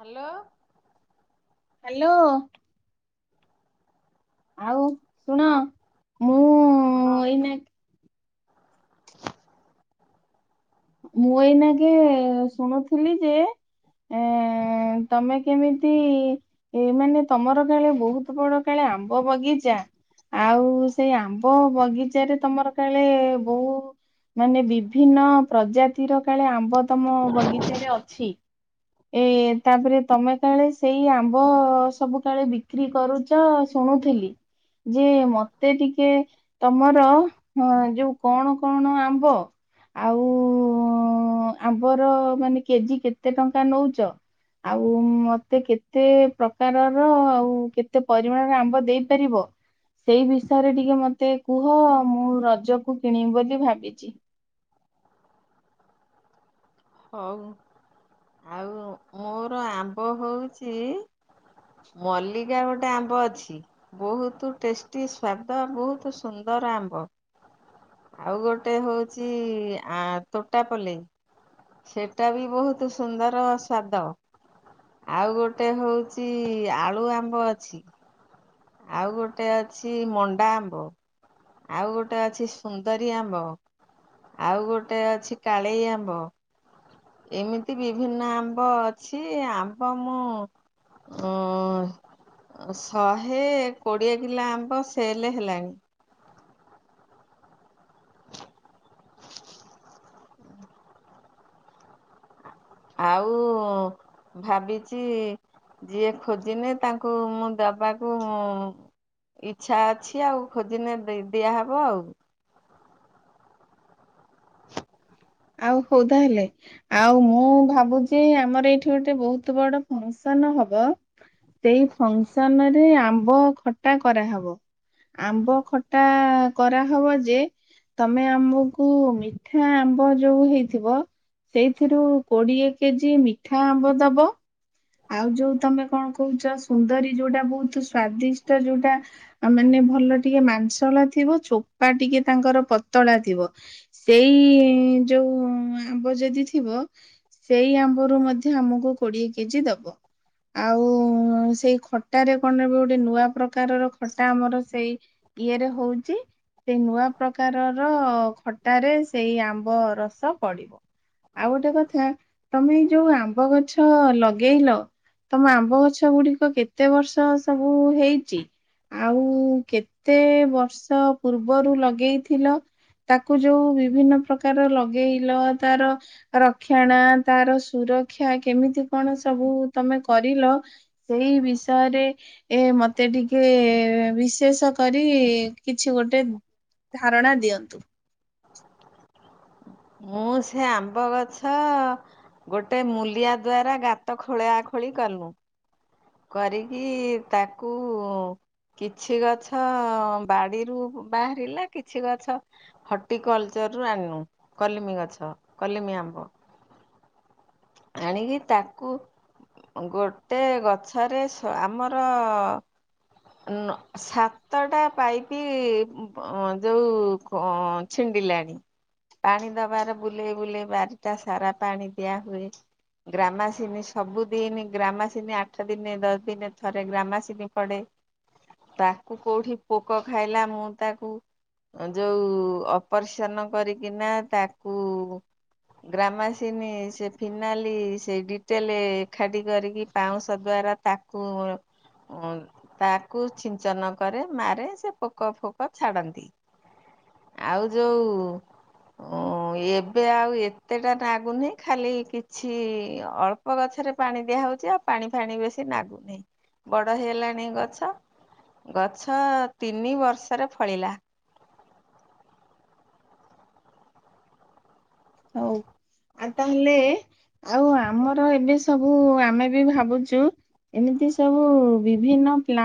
Hello. Hello. ଆଉ ଶୁଣ ହଁ ମୁଁ ହଁ ଏଇନା ମୁଁ ଏଇନା କେ ଶୁଣୁଥିଲି ଯେ ଏ ତମେ କେମିତି ଏଇ ମାନେ ତମର କାଳେ ବହୁତ ବଡ କାଳେ ଆମ୍ବ ବଗିଚା। ଆଉ ସେଇ ଆମ୍ବ ବଗିଚାରେ ତମର କାଳେ ବହୁ ମାନେ ବିଭିନ୍ନ ପ୍ରଜାତିର କାଳେ ଆମ୍ବ ତମ ବଗିଚାରେ ଅଛି। ଏ ତାପରେ ତମେ କାଳେ ସେଇ ଆମ୍ବ ସବୁ କାଳେ ବିକ୍ରି କରୁଚ ତ ଶୁଣୁଥିଲି ଯେ ମତେ ଟିକେ ତମର ହଁ ଯୋଉ କଣ କଣ ଆମ୍ବ ଆଉ ଆମ୍ବର ମାନେ କେଜି କେତେ ଟଙ୍କା ନଉଚ? ଆଉ ମତେ କେତେ ପ୍ରକାରର ଆଉ କେତେ ପରିମାଣର ଆମ୍ବ ଦେଇପାରିବ? ସେଇ ବିଷୟରେ ଟିକେ ମତେ କୁହ ମୁଁ ରଜକୁ କିଣିବି ବୋଲି ଭାବିଚି। ହଉ ଆଉ ମୋର ଆମ୍ବ ହଉଚି ମଲ୍ଲିକା ଗୋଟେ ଆମ୍ବ ଅଛି। ବହୁତ ଟେଷ୍ଟି ସ୍ଵାଦ ବହୁତ ସୁନ୍ଦର ଆମ୍ବ। ଆଉ ଗୋଟେ ହଉଛି ଆ ତୋଟାପଲେଇ। ସେଟା ବି ବହୁତ ସୁନ୍ଦର ସ୍ଵାଦ। ଆଉ ଗୋଟେ ହଉଚି ଆଳୁ ଆମ୍ବ ଅଛି। ଆଉ ଗୋଟେ ଅଛି ମଣ୍ଡା ଆମ୍ବ। ଆଉ ଗୋଟେ ଅଛି ସୁନ୍ଦରୀ ଆମ୍ବ। ଆଉ ଗୋଟେ ଅଛି କାଳେଇ ଆମ୍ବ। ଏମିତି ବିଭିନ୍ନ ଆମ୍ବ ଅଛି ଆମ୍ବ ମୁଁ ହୁ ହୁ ଶହେ କୋଡ଼ିଏ କିଲୋ ଆମ୍ବ ସେଲ୍ ହେଲାଣି। [inaudible] ଆଉ ଭାବିଚି ଯିଏ ଖୋଜିନେ ତାଙ୍କୁ ମୁଁ ଦବାକୁ ମୁଁ ଇଚ୍ଛା ଅଛି ଆଉ ଖୋଜିିନେ ଦି-ଦିଆହେବ ଆଉ। [inaudible] ଆଉ ହଉ ତାହେଲେ। ଆଉ ମୁଁ ଭାବୁଛି ଆମର ଏଇଠି ଗୋଟେ ବହୁତ ବଡ ଫଙ୍କସନ ହବ। ସେଇ ଫଙ୍କସନ ରେ ଆମ୍ବ ଖଟା କରାହେବ। ଆମ୍ବ ଖଟା କରାହବ ଯେ ତମେ ଆମକୁ ମିଠା ଆ ହଁ ଯଉ ହେଇଥିବ ସେଇଥିରୁ କୋଡିଏ କେଜି ମିଠା ଆମ୍ବ ଦବ। ଆଉ ଯୋଉ ତମେ କଣ କହୁଛ ସୁନ୍ଦରୀ ଯୋଉଟା ବହୁତ ସ୍ଵାଦିଷ୍ଟ ଯୋଉଟା ଆ ମାନେ ଭଲ ଟିକେ ମାଂସଳା ଥିବ ଚୋପା ଟିକେ ତାଙ୍କର ପତଳା ଥିବ। ସେଇ ଯୋଉ ଆମ୍ବ ଯଦି ଥିବ ସେଇ ଆମ୍ବରୁ ମଧ୍ୟ ଆମକୁ କୋଡିଏ କେଜି ଦବ। ଆଉ ସେଇ ଖଟାରେ କଣ ନେବେ ଗୋଟେ ନୂଆ ପ୍ରକାରର ଖଟା ଆମର ସେଇ କିଏରେ ହଉଛି? ସେ ନୂଆ ପ୍ରକାରର ଖଟାରେ ସେଇ ଆମ୍ବ ରସ ପଡିବ। ଆଉ ଗୋଟେ କଥା ତମେ ଏଇ ଯୋଉ ଆମ୍ବ ଗଛ ଲ ଲଗେଇଲ ତମ ଆମ୍ବ ଗଛ ଗୁଡିକ କେତେ ବର୍ଷ ସବୁ ହେଇଛି? ଆଉ କେତେ ବର୍ଷ ପୂର୍ବରୁ ଲଗେଇଥିଲ? ତାକୁ ଯୋଉ ବିଭିନ୍ନ ପ୍ରକାର ଲଗେଇଲ ତାର ରକ୍ଷଣା ତାର ସୁରକ୍ଷା କେମିତି କଣ ସବୁ ତମେ କରିଲ ସେଇ ବିଷୟରେ ଏ ମତେ ଟିକେ ବିଶେଷ କରି କିଛି ଗୋଟେ ଧାରଣା ଦିଅନ୍ତୁ। ମୁଁ ସେ ଆମ୍ବ ଗଛ ଗୋଟେ ମୂଲିଆ ଦ୍ଵାରା ଗାତ ଖୋଳାଖୋଳି କଲୁ। କରିକି ତାକୁ କିଛି ଗଛ ବାଡିରୁ ବାହାରିଲା କିଛି ଗଛ ହଟି କଲଚର ରୁ ଆଣିନୁ କଲିମି ଗଛ କଲିମି ଆମ୍ବ। ଆଣିକି ତାକୁ ଗୋଟେ ଗ [unintelligible] ଆମର ନ ସାତଟା ପାଇପି ଯୋଉ କ ଛିଣ୍ଡିଲାଣି ପାଣି ଦବାର ବୁଲେଇ ବୁଲେଇ ବାରିଟା ସାରା ପାଣି ଦିଆ ହୁଏ। ଗ୍ରାମାସିନି ସବୁଦିନ ଗ୍ରାମାସିିନି ଆଠ ଦିନେ ଦଶ ଦିନେ ଥରେ ଗ୍ରାମାସିନି ପଡେ। ତାକୁ କୋଉଠି ପୋକ ଖାଇଲା ମୁଁ ତାକୁ ଯୋଉ ଅପରେସନ୍ କରିକିନା ତାକୁ ଗ୍ରାମାସିନି ସେ ଫିନାଲି ସେ ଡିଟେଲେ ଏକାଠି କରିକି ପାଉଁଶ ଏତେ ଦ୍ବାରା ତାକୁ ତାକୁ ଛିଞ୍ଚନ କରେ ମାରେ ସେ ପୋକ ଫୋକ ଛାଡନ୍ତି। ଆଉ ଯଉ ଓ ଏବେ ଆଉ ଏତେଟା ନାଗୁନି ଖାଲି କିଛି ଅଳ୍ପ ଗଛରେ ପାଣି ଦିଆ ହଉଛି। ଆଉ ପାଣି ଫାଣି ବେଶୀ ନାଗୁନି। ବଡ ହେଇଗଲାଣି ଗଛ। ଗଛ ତିନି ବର୍ଷରେ ଫଳିଲା। ହଉ ଆଉ ତାହେଲେ ଆଉ ଆମର ଏବେ ସବୁ ଆମେ ବି ଭାବୁଛୁ ଏମିତି ସବୁ ବିଭିନ୍ନ ପ୍ଲା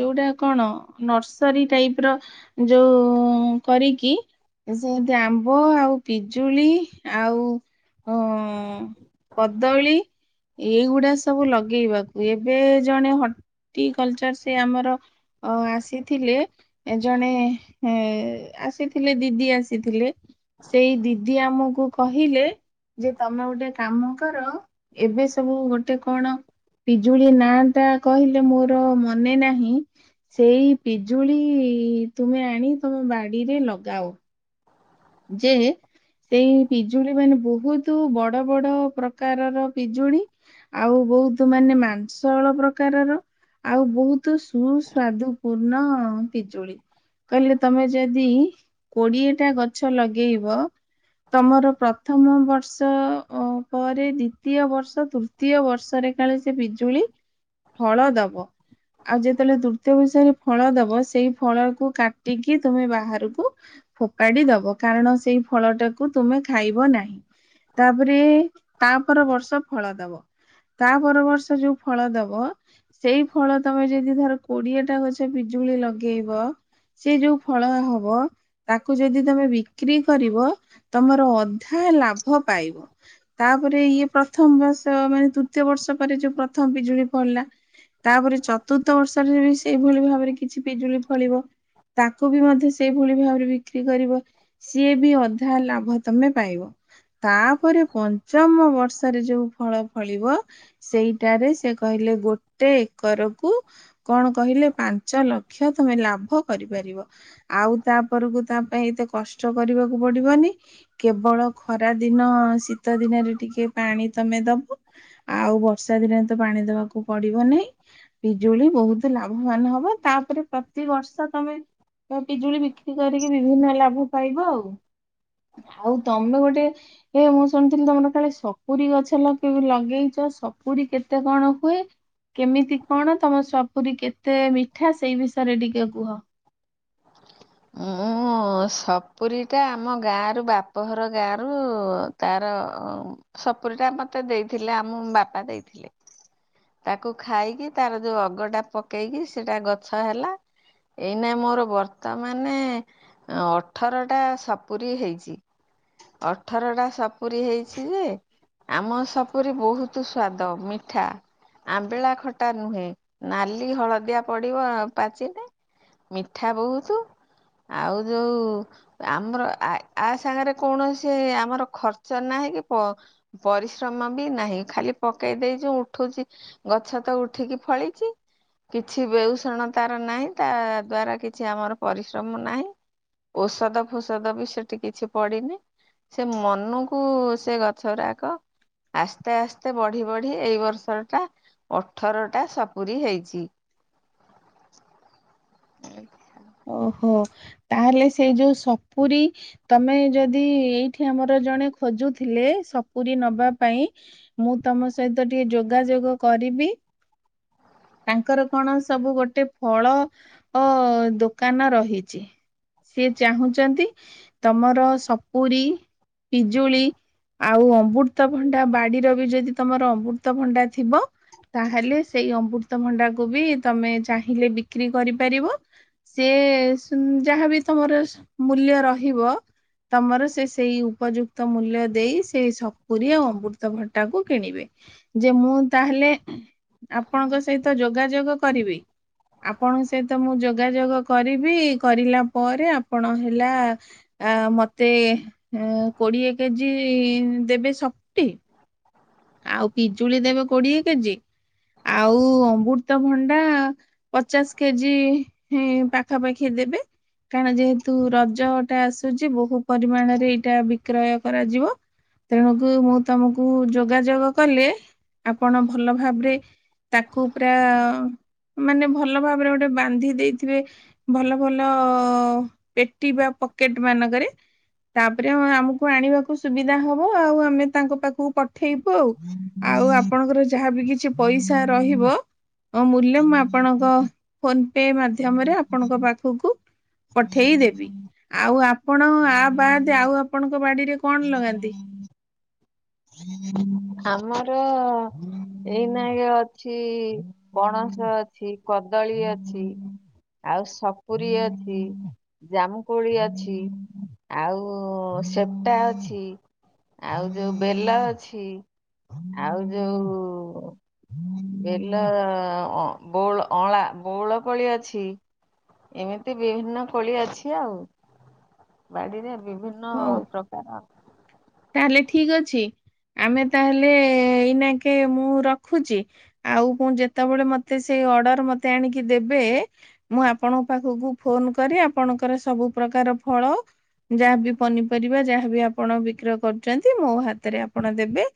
ଯୋଉଟା କଣ ନର୍ସରୀ ଟାଇପ୍ ର ଯୋଉ କରିକି ସେମତି ଆମ୍ବ ଆଉ ପିଜୁ ଜୁଳି ଆଉ ହଁ କଦଳୀ ଏଇଗୁଡା ସବୁ ଲଗେଇବାକୁ ଏବେ ଜଣେ ହଟି କଲଚର ସେ ଆମର ଆସିଥିଲେ ଜଣେ ଆସିଥିଲେ ଦିଦି ଆସିଥିଲେ। ସେଇ ଦିଦି ଦିଦି ଆମକୁ କହିଲେ ଯେ ତମେ ଗୋଟେ କାମ କର ଏବେ ସବୁ ଗୋଟେ କଣ ପିଜୁଳି ନା ଟା କହିଲେ ମୋର ମନେ ନାହିଁ। ସେଇ ପିଜୁଳି ତୁମେ ଆଣି ତମେ ବାଡିରେ ଲଗାଅ। ଯେ ସେଇ ପିଜୁଳି ମାନେ ବୋହୁତୁ ବଡ ବଡ଼ ପ୍ରକାରର ପିଜୁଳି ଆଉ ବୋହୁତ୍ ମାନେ ମାଂସଳ ପ୍ରକାରର। ଆଉ ବୋହୁତୁ ସୁ ସ୍ୱାଦୁ ପୂର୍ଣ୍ଣ ପିଜୁଳି। କହିଲେ ତମେ ଯଦି କୋଡିଏ ଟା ଗଛ ଲଗେଇବ ତମର ପ୍ରଥମ ବର୍ଷ ପରେ ଦ୍ଵିତୀୟ ବର୍ଷ ତୃତୀ ଦ୍ୱିତୀୟ ବର୍ଷରେ କାଳେ ସେ ପିଜୁଳି ଫ଼ଳ ଦବ। ଆଉ ଯେତେବେଳେ ତୃତୀୟ ବିଷୟରେ ଫଳ ଦବ ସେଇ ଫଳକୁ କାଟିକି ତମେ ବାହାରକୁ ଫୋଫାଡି ଦବ। କାରଣ ସେଇ ଫଳ ଟାକୁ ତୁମେ ଖାଇବ ନାହିଁ। ତାପରେ ତାପର ବର୍ଷ ଫଳ ଦବ। ତା ପର ବର୍ଷ ଯୋଉ ଫଳ ଦବ ସେଇ ଫଳ ତମେ ଯଦି ଧର କୋଡିଏଟା ଗଛ ପିଜୁଳି ଲଗେଇବ ସେ ଯୋଉ ଫଳ ହବ ତାକୁ ଯଦି ତମେ ବି ବିକ୍ରି କରିବ ତମର ଅଧା ଲାଭ ପାଇବ। ତାପରେ ଇଏ ପ୍ରଥମ ବର୍ଷ ମାନେ ତୃତୀୟ ବର୍ଷ ପରେ ଯୋଉ ପ୍ରଥମ ବିଜୁଳି ଫଳିଲା। ତାପରେ ଚତୁର୍ଥ ବର୍ଷ ରେ ବି ସେଇଭଳି ଭାବରେ କିଛି ପିଜୁଳି ଫଳିବ। ତାଙ୍କୁ ବି ମଧ୍ୟ ସେଇଭଳି ଭାବରେ ବିକ୍ରି କରିବ। ସିଏ ବି ଅଧା ଲାଭ ତମେ ପାଇବ। ତାପରେ ପଞ୍ଚମ ବର୍ଷରେ ଯୋଉ ଫଳ ଫଳିବ। ସେଇଟାରେ ସେ କହିଲେ ଗୋଟେ ଏକରକୁ କଣ କହିଲେ ପାଞ୍ଚ ଲକ୍ଷ ତମେ ଲାଭ କରିପାରିବ। ଆଉ ତାପରକୁ ତା ପାଇଁ ଏତେ କଷ୍ଟ କରିବାକୁ ପଡିବନି। କେବଳ ଖରା ଦିନ, ଶୀତ ଦିନରେ ଟିକେ ପାଣି ତମେ ଦବ। ଆଉ ବର୍ଷା ଦିନରେ ତ ପାଣି ଦବାକୁ ପଡିବ ନାଇଁ। ପିଜୁଳି ବହୁତ ଲାଭବାନ ହବ, ତାପରେ ପ୍ରତି ବର୍ଷ ତମେ ଏ ପିଜୁଳି ବିକ୍ରି କରିକି ବିଭିନ୍ନ ଲାଭ ପାଇବ ଆଉ। ଆଉ ତମେ ଗୋଟେ ଏ ମୁଁ ଶୁଣିଥିଲି ତମର କାଳେ ସପୁରୀ ଗଛ ଲଗେଇଚ ସପୁରୀ କେତେ କଣ ହୁଏ? କେମିତି କଣ ତମ ସପୁରୀ କେତେ ମିଠା ସେଇ ବିଷୟରେ ଟିକେ କୁହ? ମୁଁ ହଁ ସପୁରୀଟା ଆମ ଗାଁ ରୁ ବାପଘର ଗାଁ ରୁ ତାର ସପୁୁରୀଟା ମତେ ଦେଇଥିଲେ ଆମ ବାପା ଦେଇଥିଲେ। ତାକୁ ଖାଇକି ତାର ଯୋଉ ଅଗଟା ପକେଇକି ସେଟା ଗଛ ହେଲା। ଏଇନେ ମୋର ବର୍ତ୍ତା ମାନେ ଅଠରଟା ସପୁୁରୀ ହେଇଚି। ଅଠରଟା ସପୁୁରୀ ହେଇଛି ଯେ ଆମ ସପୁରି ବହୁତ ସ୍ଵାଦ ମିଠା। ଆମ୍ବିଳା ଖଟା ନୁହେଁ ନାଲି ହଳଦିଆ ପଡିବ ପାଚିନେ। ମିଠା ବହୁତ୍। ଆଉ ଯୋଉ ଆମର ଆ ଆ ସାଙ୍ଗରେ କୌଣସି ଆମର ଖର୍ଚ୍ଚ ନାହିଁ କି ପ ପରିଶ୍ରମ ବି ନାହିଁ ଖାଲି ପକେଇ ଦେଇଚୁ ଉଠୁଚି ଗଛ ତ ଉଠିକି ଫଳିଚି। କିଛି ବେଉଷଣ ତାର ନାହିଁ ତା ଦ୍ଵାରା କିଛି ଆମର ପରିଶ୍ରମ ନାହିଁ। ଔଷଧ ଫୋଷଦ ବି ସେଠି କିଛି ପଡିିନି। ସେ ମନକୁ ସେ ଗଛ ଗୁରାକ ଆସ୍ତେ ଆସ୍ତେ ବଢ଼ି ବଢ଼ି ଏଇ ବର୍ଷ ଟା ଅଠର ଟା ସପରୀ ହେଇଚି। ଆଚ୍ଛା। ଓହୋ ତାହେଲେ ସେଇ ଯୋଉ ସପୁରୀ ତମେ ଯଦି ଏଇଠି ଆମର ଜଣେ ଖୋଜୁଥିଲେ ସପୁରୀ ନବା ପାଇଁ ମୁଁ ତମ ସହିତ ଟିକେ ଯୋଗାଯୋଗ କରିବି। ତାଙ୍କର କଣ ସବୁ ଗୋଟେ ଫଳ ଅ ଦୋ ଦୋକାନ ରହିଚି ସିଏ ଚାହୁଁଚନ୍ତି ତମର ସପୁରୀ ପିଜୁଳି ଆଉ ଅମୃତଭଣ୍ଡା ବାଡିର ବି ଯଦି ତମର ଅମୃତଭଣ୍ଡା ଥିବ ତାହେଲେ ସେଇ ଅମୃତଭଣ୍ଡାକୁୁ ବି ତମେ ଚାହିଁଲେ ବିକ୍ରି କରିପାରିବ। ସିଏ ସୁନ୍ ଯାହାବି ତମର ମୂଲ୍ୟ ରହିବ। ତମର ସିଏ ସେଇ ଉପଯୁକ୍ତ ମୂଲ୍ୟ ଦେଇ ସେଇ ସପରୀ ଆଉ ଅମୃତ ଭଟାକୁ କିଣିବେ। ଯେ ମୁଁ ତାହେଲେ ଆପଣଙ୍କ ସହିତ ଯୋଗାଯୋଗ କରିବି ଆପଣଙ୍କ ସହିତ ମୁଁ ଯୋଗାଯୋଗ କରିବି କରିଲା ପରେ ଆପଣ ହେଲା ଆ ମତେ କୋଡିଏ କେଜି ଦେବେ ସପ୍ଟି ଆଉ ପିଜୁଳି ଦେବେ କୋଡିଏ କେଜି ଆଉ ଅମୃ ତ ଭଣ୍ଡା ପଚାଶ କେଜି ହିଁ ପାଖାପାଖି ଦେବେ କାରଣ ଯେହେତୁ ରଜଟା ଆସୁଛି ବହୁ ପରିମାଣରେ ଏଇଟା ବିକ୍ରୟ କରାଯିବ ତେଣୁକୁ ମୁଁ ତମକୁ ଯଉ ଯୋଗାଯୋଗ କଲେ ଆପଣ ଭଲ ଭାବରେ ତାକୁ ପୁରା ମାନେ ଭଲ ଭାବରେ ଗୋଟେ ବାନ୍ଧି ଦେଇଥିବେ ଭଲ ଭଲ ପେଟି ବା ପକେଟ ମାନଙ୍କରେ ତାପରେ ଆମକୁ ଆଣିବାକୁ ସୁବିଧା ହବ ଆଉ ଆମେ ତାଙ୍କ ପାଖକୁ ଉଠେଇବ ଆଉ ଆପଣଙ୍କର ଯାହାଵି କିଛି ପଇସା ରହିବ ମୂଲ୍ୟ ମୁଁ ଆପଣଙ୍କ ଫୋନ ପେ ମାଧ୍ୟମରେ ଆପଣଙ୍କ ପାଖକୁ ପଠେଇଦେବି ଆଉ ଆପଣ ଆ ବାଦେ ଆଉ ଆପଣଙ୍କ ବାଡିରେ କଣ ଲଗାନ୍ତି [inaudible] ଆମର ଏଇ ନାକେ ଅଛି ପଣସ ଅଛି କଦଳୀ ଅଛି ଆଉ ସପୁରୀ ଅଛି ଜାମୁକୋଳି ଅଛି ଆଉ ସେପଟା ଅଛି ଆଉ ଯୋଉ ବେଲ ଅଛି ଆଉ ଯୋଉ ଵେଲ ଅଁ ବଉଳ ଅଁଳା ବଉଳ କୋଳି ଅଛି ଏମିତି ବିଭିନ୍ନ କୋଳି ଅଛି ଆଉ ବାଡିରେ ବିଭିନ୍ନ ହଉ ଭିନ୍ନ ପ୍ରକାର ତାହେଲେ ଠିକ ଅଛି ଆମେ ତାହେଲେ ଏଇନାକେ ମୁଁ ରଖୁଛି ଆଉ ପୁ ଯେତେବେଳେ ମତେ ସେଇ ଅର୍ଡର ମତେ ଆଣିକି ଦେବେ ମୁଁ ଆପଣଙ୍କ ପାଖକୁ ଫୋନ କରି ଆପଣଙ୍କର ସବୁ ପ୍ରକାର ଫଳ ଯାହାବି ପନିପରିବା ଯାହାବି ଆପଣ ବିକ୍ରୟ କରୁଛନ୍ତି ମୋ ହାତରେ ଆପଣ ଦେବେ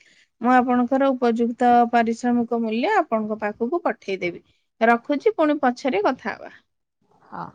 ମୁଁ ଆପଣଙ୍କର ଉପଯୁକ୍ତ ପାରିଶ୍ରମିକ ମୂଲ୍ୟ ଆପଣଙ୍କ ପାଖକୁ ପଠେଇଦେବି ରଖୁଛି ପୁଣି ପଛରେ କଥା ହବା। ହଁ।